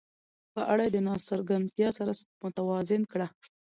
په اړه د ناڅرګندتیا سره متوازن کړه.